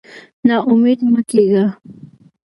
نا امېد مه کېږه.